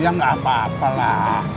ya gak apa apalah